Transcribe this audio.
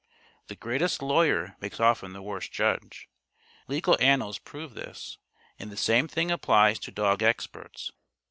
The greatest lawyer makes often the worst judge. Legal annals prove this; and the same thing applies to dog experts.